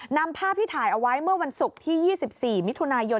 นำภาพที่ถ่ายเอาไว้เมื่อวันศุกร์ที่๒๔มิถุนายน